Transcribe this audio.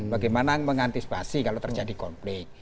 bagaimana mengantisipasi kalau terjadi konflik